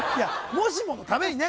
もしものためにね？